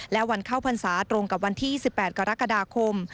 และวันเข้าพรรษาตรงกับวันที่๑๘กรกฎาคม